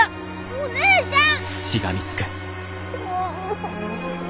お姉ちゃん！